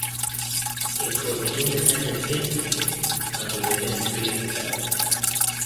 It was an independent institute under the Ministry of Defence.